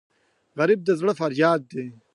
غریب د زړه فریاد دی